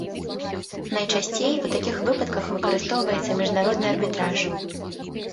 Найчасцей у такіх выпадках выкарыстоўваецца міжнародны арбітраж.